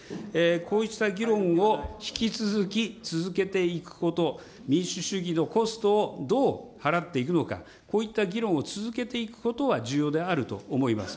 こうした議論を引き続き続けていくこと、民主主義のコストをどう払っていくのか、こういった議論を続けていくことは重要であると思います。